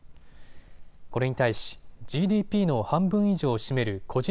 これに対しＧＤＰの半分以上を占める個人